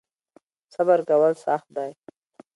صبر کول سخت دی .